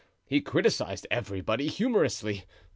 He criticised everybody humorously.